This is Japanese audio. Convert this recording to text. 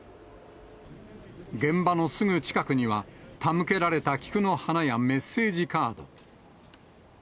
現場のすぐ近くには、手向けられた菊の花やメッセージカード。